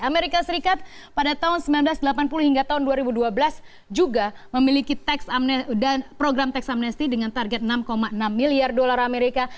amerika serikat pada tahun seribu sembilan ratus delapan puluh hingga tahun dua ribu dua belas juga memiliki program tax amnesti dengan target enam enam miliar dolar amerika